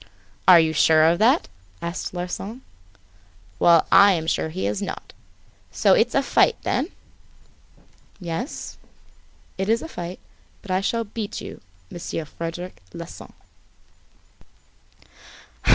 "Are you sure of that?" asked Larsan. "Well, I am sure he is not. So it's a fight then?" "Yes, it is a fight. But I shall beat you, Monsieur Frederic Larsan."